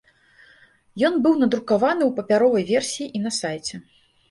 Ён быў надрукаваны ў папяровай версіі і на сайце.